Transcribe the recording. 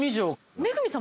恵さん